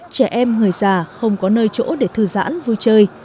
trẻ em người già không có nơi chỗ để thư giãn vui chơi